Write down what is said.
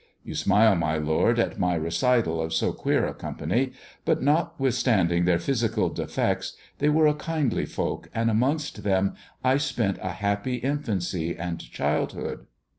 You smile, my lord, at my recital of so queer a company, but notwith standing their physical defects, they were a kindly folk, and amongst them I spent a happy infancy and childhood."